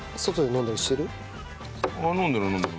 飲んでる飲んでる。